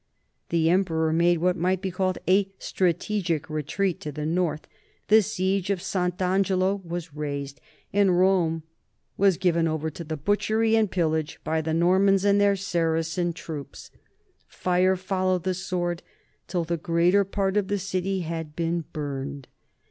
The emperor made what might be called ' a strategic retreat ' to the north, the siege of Sant' Angelo was raised, and Rome was given over to butchery and pillage by the Normans and their Saracen troops. Fire followed the sword, till the greater part of the city had been burned.